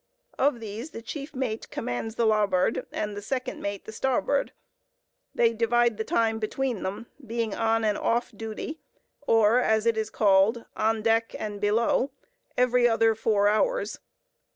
Of these the chief mate commands the larboard, and the second mate the starboard. They divide the time between them, being on and off duty, or, as it is called, on deck and below, every other four hours.